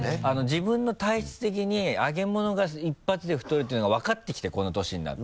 自分の体質的に揚げ物が一発で太るっていうのが分かってきてこの年になって。